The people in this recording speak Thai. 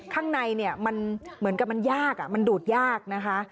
ข้างในเนี่ยมันเหมือนกับมันยากมันดูดยากนะคะ